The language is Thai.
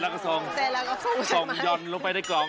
คาถาที่สำหรับคุณ